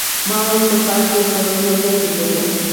ما ولیدل چې په پارک کې یوه کورنۍ یو ځای ګرځېدله